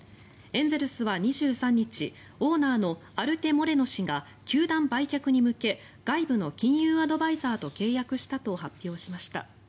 エンゼルスは２３日オーナーのアルテ・モレノ氏が球団売却に向け外部の金融アドバイザーと契約したと発表しました。